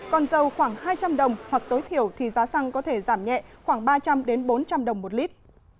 còn dầu khoảng hai trăm linh đồng hoặc tối thiểu thì giá xăng có thể giảm nhẹ khoảng ba trăm linh bốn trăm linh đồng một lít